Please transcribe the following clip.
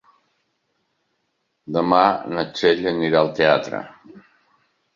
Demà na Txell anirà al teatre.